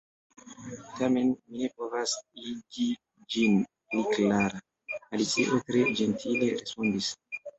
"Tamen mi ne povas igi ĝin pli klara," Alicio tre ĝentile respondis.